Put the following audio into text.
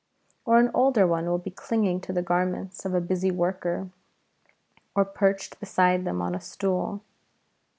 Or an older one will be clinging to the garments of the busy workers, or perched beside them on a stool.